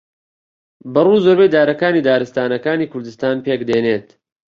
بەڕوو زۆربەی دارەکانی دارستانەکانی کوردستان پێک دێنێت